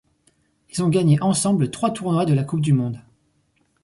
Ils ont gagné ensemble trois tournois de la Coupe du Monde.